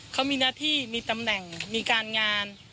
เขามีหน้าที่มีตำแหน่งมีการงาน